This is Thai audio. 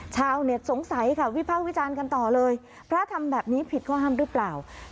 ชาวเน็ตสงสัยค่ะวิภาควิจารณ์กันต่อเลยพระทำแบบนี้ผิดข้อห้ามหรือเปล่า